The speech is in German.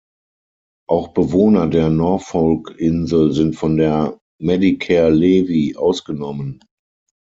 Auch Bewohner der Norfolkinsel sind von der Medicare Levy ausgenommen.